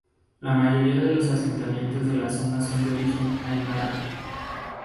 La mayoría de los asentamiento de la zona son de origen aimara.